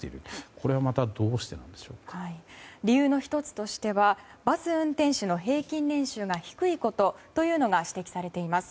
これはまたどうしてなんでしょうか。理由の１つとしてはバス運転手の平均年収が低いことが指摘されています。